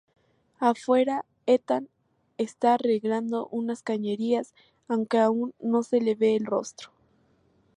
Afuera, Ethan está arreglando unas cañerías, aunque aún no se le ve el rostro.